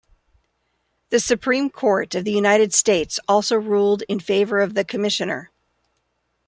The Supreme Court of the United States also ruled in favor of the Commissioner.